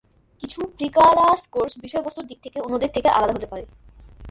কিছু precalculus course বিষয়বস্তুর দিক থেকে অন্যদের থেকে আলাদা হতে পারে।